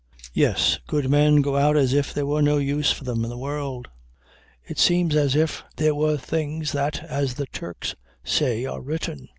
"Yes. Good men go out as if there was no use for them in the world. It seems as if there were things that, as the Turks say, are written.